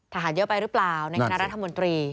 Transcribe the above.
เยอะไปหรือเปล่าในคณะรัฐมนตรี